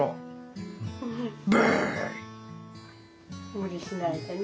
無理しないでね。